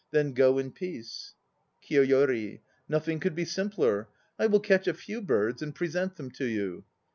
Then go in peace. KIYOYORI. Nothing could be simpler. I will catch a few birds and present them to you.